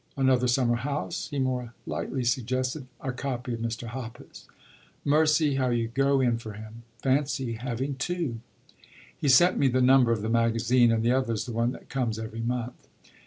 "Another summer house?" he more lightly suggested. "A copy of Mr. Hoppus." "Mercy, how you go in for him! Fancy having two!" "He sent me the number of the magazine, and the other's the one that comes every month."